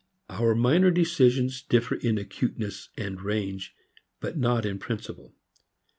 Our minor decisions differ in acuteness and range, but not in principle.